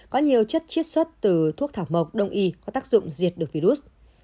có nhiều chất chiết xuất từ thuốc thảo mộc đông y có tác dụng diệt được virus